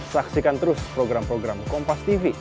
saksikan terus program program kompastv